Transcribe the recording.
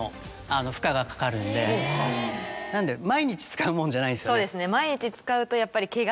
なので毎日使うもんじゃないですよね。